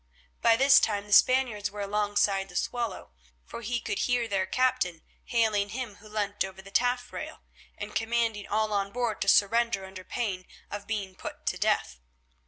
By this time the Spaniards were alongside the Swallow, for he could hear their captain hailing him who leant over the taffrail, and commanding all on board to surrender under pain of being put to death.